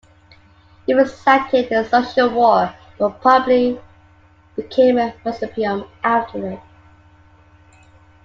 It was sacked in the Social War, but probably became a "municipium" after it.